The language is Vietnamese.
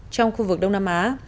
trong khu vực đông nam á